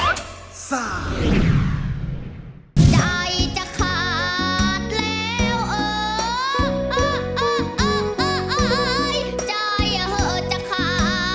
ใจจะขาดแล้วเอ่ออ่าอ่าอ่าอ่า